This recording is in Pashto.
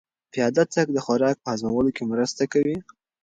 پیاده تګ د خوراک په هضمولو کې مرسته کوي.